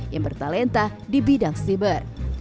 yang bertalenta di bidang siber